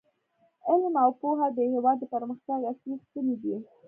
علم او پوهه د هیواد د پرمختګ اصلي ستنې دي.